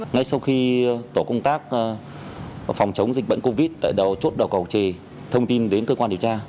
ngay sau khi tổ công tác phòng chống dịch bệnh covid một mươi chín tại chỗ đầu cầu chế thông tin đến cơ quan điều tra